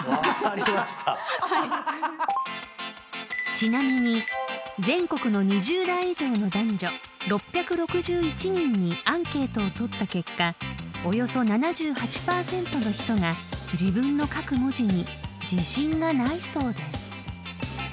［ちなみに全国の２０代以上の男女６６１人にアンケートを取った結果およそ７８％の人が自分の書く文字に自信がないそうです］